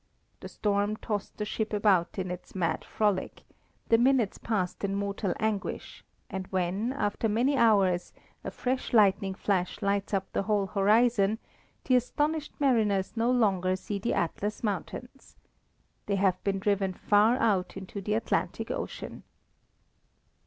The storm tossed the ship about in its mad frolic; the minutes passed in mortal anguish, and when, after many hours, a fresh lightning flash lights up the whole horizon, the astonished mariners no longer see the Atlas mountains. They have been driven far out into the Atlantic ocean.